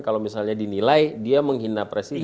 kalau misalnya dinilai dia menghina presiden